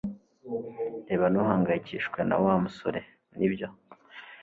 Reba, ntuhangayikishijwe na Wa musore, Nibyo?